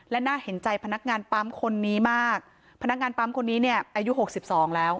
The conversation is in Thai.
และน่าเห็นใจพนักงานปั๊มคนนี้มากพนักงานปั๊มคนนี้เนี่ยอายุหกสิบสองแล้ว